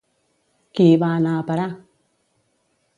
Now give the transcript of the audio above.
Qui hi va anar a parar?